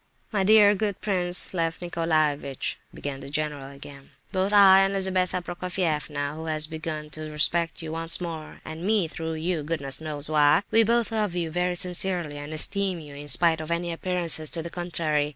"My dear good Prince Lef Nicolaievitch," began the general again, suddenly, "both I and Lizabetha Prokofievna—(who has begun to respect you once more, and me through you, goodness knows why!)—we both love you very sincerely, and esteem you, in spite of any appearances to the contrary.